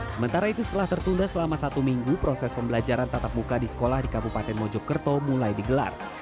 sementara itu setelah tertunda selama satu minggu proses pembelajaran tatap muka di sekolah di kabupaten mojokerto mulai digelar